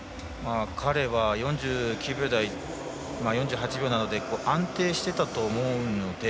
彼は４９秒台４８秒などで安定していたと思うので。